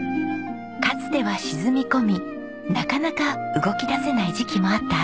かつては沈み込みなかなか動きだせない時期もあった充子さん。